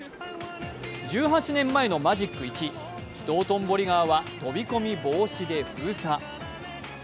１８年前のマジック１、道頓堀川は飛び込み防止で封鎖。